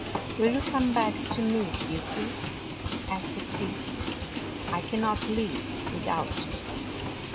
"" Will you come back to me. Beauty? " asked the Beast. " I cannot live without you."